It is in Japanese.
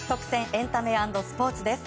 エンタメ＆スポーツです。